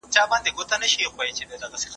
دستي مي مبایل جوړ کړ.